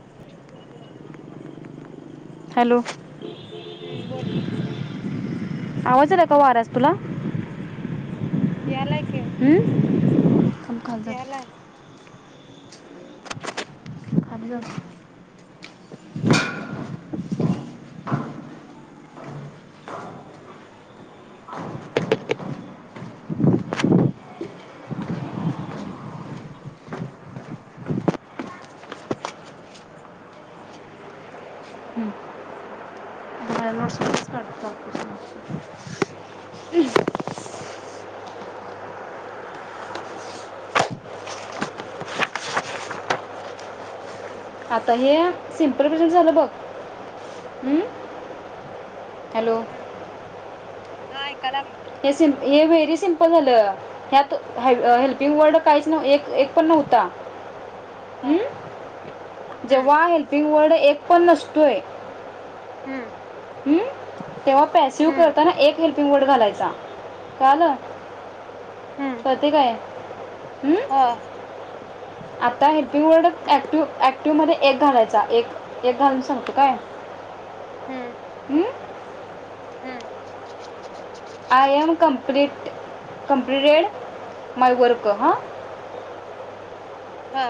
[inaudible] Hello हम्म बोल आवाज आला का वाऱ्याचा तुला [inaudible] यालाय की हम्म मी सांग कॉल करतो यालाय. [inaudible] [inaudible] हम्म. [unintelligible] आता हे सिम्पल प्रेझेंट झाल बघ हम् [inaudible] हॅलो हम्म हा ऐकायला आलं हे सिम हे व्हेरी सिम्पल झालं ह्यात हायत हम्म हेल्पिंग वर्ड काहीच नव एक एक पण नव्हता हा हम् हम्म जेव्हा हेल्पिंग वर्ड एक पण नसतोय हम्म हम्म तेव्हा पॅसिव्ह हम्म करताना एक हेल्प पिंगौट घालायचा कळालं हम्म कळतंय काय हम्म हा टू मध्ये एक घालायचा एक एक घालून सांगतो काय हम्म हम्म हम्म I am complete completed my work हा हा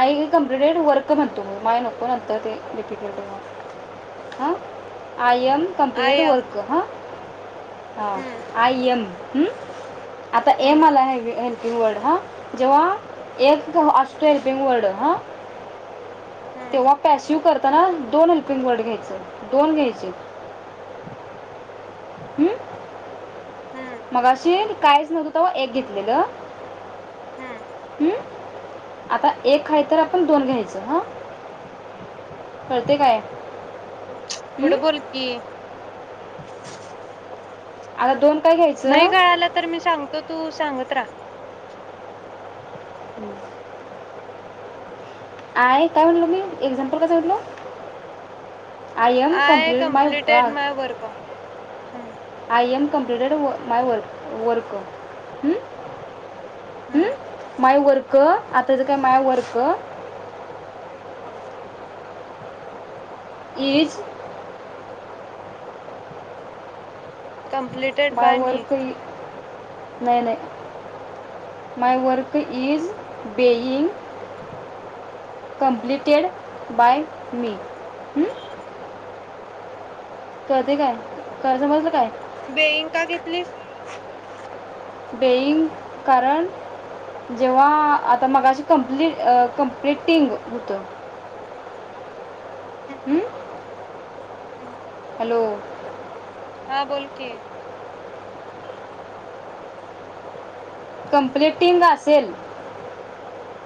आय कम्प्लीटेड वर्क म्हणतो माय नको पण आता ते डिफिकल्ट हौणार हम I am I completed am work ह हा हम्म आई यम हमं आता ए हम्म मला हे घे हेल्प की वर्ड ह जेव्हा एक अश हेल्पिंग वर्ड हां हम्म तेव्हा पॅसीव्ह कर त्याला दोन हेल्पिंग वर्ड घ्यायचे दोन घ्यायचे हम्म हम्म मगाशी काय झालं तवा एक घेतलेलं हम्म हम् आता एक खाय तर आपण दोन घ्यायचं हा कळते काय हं? फुटबॉल की आदा दोन काय नाही घ्यायचं गळाला तर मी सांगतो तू सांगत त्रा [inaudible] आहेय काय म्हटलो मी एक्झाम्पल कस म्हटलो आय कम्प्लीटेड माय वर्कम हम्म एम कम्पलीटेड व माय वर वर्क हं हम्म हं माय वर क आताच काय my work is completed my by me work नाही नाही my work is being completed by me हं कळते काय क समजलं काय बेईंका केतलीस बेईंग कारण जेव्हा आता मगाशी कंप्ली कंप्लिटिंग होतं हम्म [inaudible] हॅलो हा बोल की कम्प्लीटिंग असेल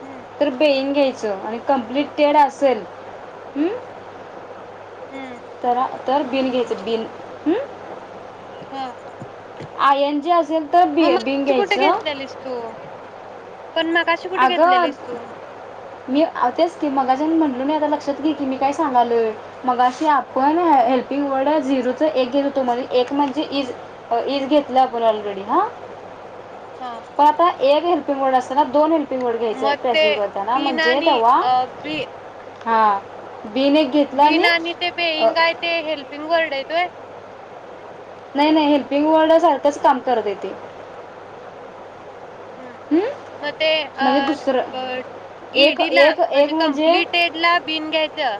हम्म तर बेईन घ्यायचं आणि कमप्लीटेड असेल हं हम्म तर आ तर बिन घ्यायचं बिन ह हा आयन जी असेल तर बि मग बिंग मगाशी कुठे घ्यायचं घेतलेलीस तू पण मगाशी कुठे अगं घेतलेलीस तू मी आ तेच की मगाचान म्हनलो नाही आता लक्षात घे की मी काय सांगालोय मगाशी आपण हेल्पिंग वर्ड आहे झिरोच एक घेतल होतो म्हण एक म्हणजे इज इज घेतलं आपण ऑलरेडी हा हा प आता ए घेर पिंमोड असत ना दोन हेल पिमोड घ्यायचय मग ते पॅसीव करताना बीन म्हणजे आणि तेव्हा हा बिन आणि ते बेईंग आयते हेल्पिंग वर्ड आयतवय नाही नाही हेल्पिंग वर्डसारखंच काम करतय ते ह हं? म ते अ म्हणजे ब दुसरं एक ईडी ला एक म्हणजे एक कमप्लीटेड ला बिन घ्यायचं.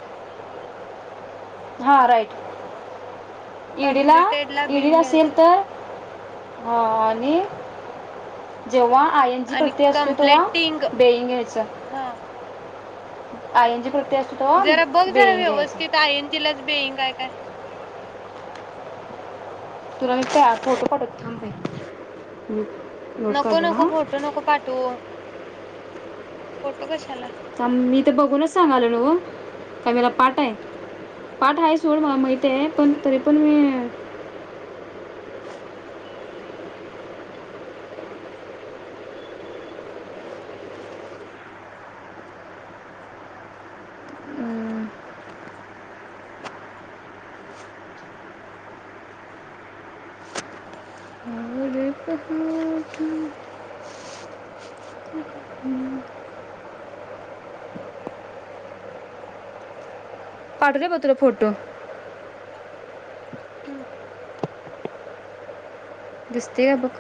हा राईट ईडीला कम्प्लिटेड ला ईडी बिन असेल घ्यायचं तर हा आणि जेव्हा आयन जी आणि प्रती असतो तवा कम्प्लेटिंग बेईंग घ्यायचं. हा आय एन जी प्रत्यय असतो तेव्हा जरा बघ जरा बेईंग घ्यायचं व्यवस्थित आय एनजीला बेईंगाय काय? तुला मी का फोटो पाठवतो थांब बाई नोट नको काढलेला नको हां फोटो नको पाठवू. फोटो कश थांब मी तर बघूनच सांगालोय हॅलो काय मला पाठ आहे पाठ आहे सोड मला माहित आहे पण तरी पण मी हम्म [unintelligible] पाठवते बग तुला फोटो हम्म दिसतय का बघ.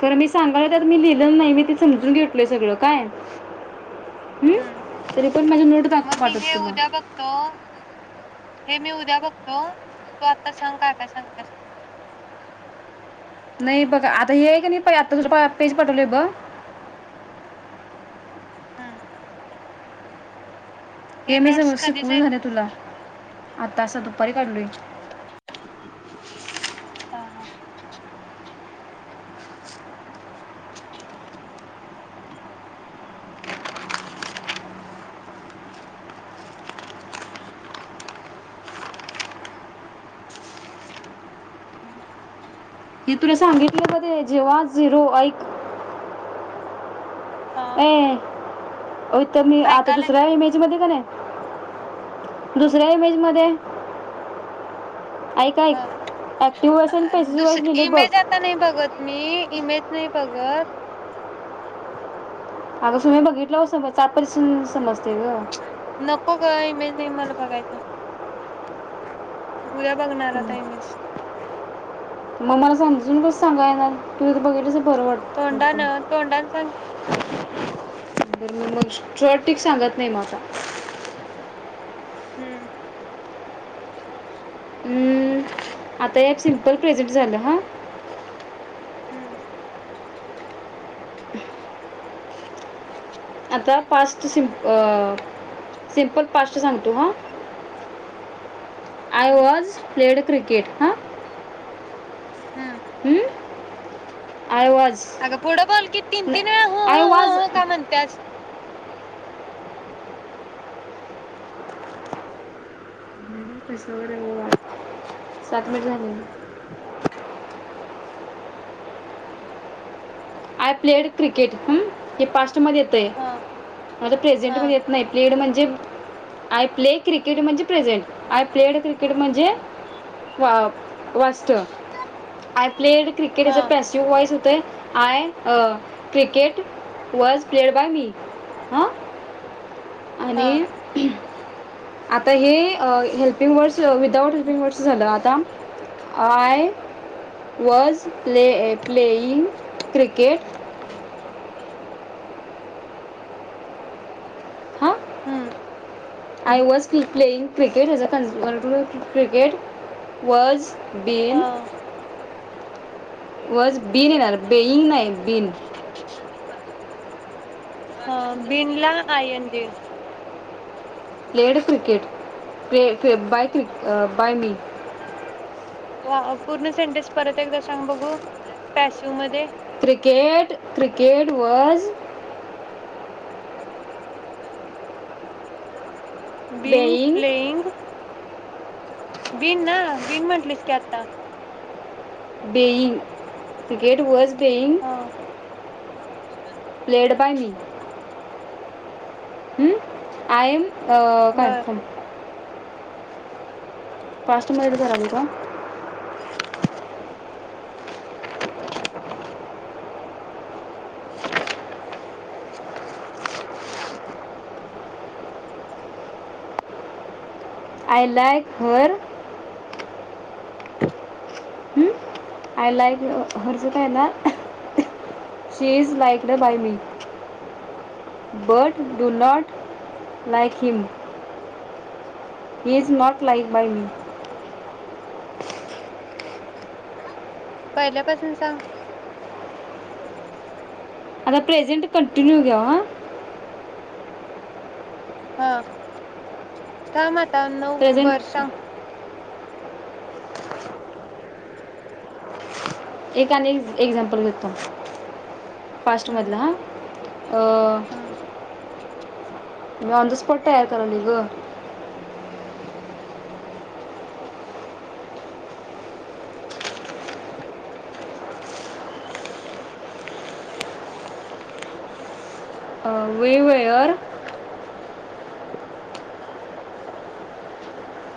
तुला मी सांगालोय त्यात मी लिहिलेलं नाही मी ते समजून घेतलोय सगळं काय हम्म हम्म तरी पण माझ्या नोट मग दाख मी हे पाठवतो तुला उद्या बघतो हे मी उद्या बघतो तु आता सांग काय काय सांगत्यास. नाही बघ आता हे आहे कनी प आता पेज पाठवलंय ब हा हे मी सगळं नोट्स कधीच शिकवून आहेत झालंय तुला आता असं दुपारी काढलोय. हा हा तर हे तुला सांगितलं होत ते जेव्हा झिरो ऐक हा ए अथ तर म आता ऐकायला दुसऱ्या इमेजमध्ये कनी दुसऱ्या इमेज मध्ये ह पॅसिव्ह दुस वॉइस लिहिले बघ इमेज आता नाही बघत मी इमेज नाही पंगत अगं तुम्ही बघितल्याव समजत नको गं इमेज नाही मला बघायचं. उद्या बघणार आता ईमेज मग मला समजून कसं सांगाय येणार? त बघितलंस बरं वाटतत तोंडान तोंडान सांग तर मग. चट टक सांगत नाही मग आता [inaudible] हम्म, आता हे सिम्पल प्रेझेंट झालं हां हम् आता पास्ट सि सिमपल पास्ट सांगतू हां. I hmm was played cricket हा हम्म अगं पुढं बोल की तीन तीन वेळा हो हो आय हो वॉज हो का म्हणतियास कैस वर ब सात मिनिट झाले. आय प्लेड क्रिकेट ह हे पास्टमध्ये येत आहे ह आ ह प्रेझेंटमध्ये येत नाही प्लेड म्हणजे आय प्ले क्रिके कीड म्हणजे प्रेझंट आय प्लेड क्रिकेट म्हणजे वाचत आय प्लेड क्रिकेट ह ए पॅसिव्ह वॉइस होतय. I cricket was played by me हां. ह आणि आता हे हेल्पिंग वर्ड्स विदाउट वर्डस झालं आता I was play playing cricket हा हम्म आय हम्म वॉज की playing? Cricket is a consumer cricket was been ह वाॅच बीन येणार बेईंग नाही बीन [unintelligible] हा बिनला आयनजी प्लेड क्रिकेट प्लेड बाय क्र बाय मी पूर्ण सेंटेस परत एकदा सांग बघू पॅसिव मध्ये क्रिकेट क्रिकेट वाज [unintelligible] बिन बेईंग प्लेइंग बीन ना बीन म्हंटलीस की आता बेईंग क्रिकेट वॉज बेईंग हा [unintelligible] प्लेड बाय मी हम्म आईम बर कन्फर फास्ट मदत कराल का [inaudible] [inaudible] I like her I like हर्च काय ना she is liked by me but do not like him he is not like by मी [unintelligible] पहिल्यापासून सांग [unintelligible] प्रेझेंटी कंटीन्यू घ्या ह हा काम आता नऊ वर प्रेझेंट सांग [inaudible] एक अनेक एक्झाम्पल देतो [inaudible] हम्म पास्टमधलं हा अ [inaudible] मी ऑन द स्पॉट [inaudible] तयार कराली ग [inaudible] अ we were [inaudible]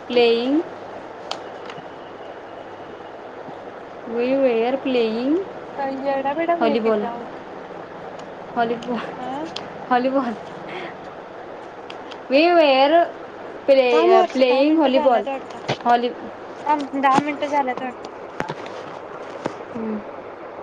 playing we were playing का येडा बेडा झालं की ओ हली प हॉलीबाॅल [inaudible] वी वेअर [inaudible] थांब वर्षे दहा मिनिटे झालेत वाटतं हा [unintelligible] [inaudible] हम्म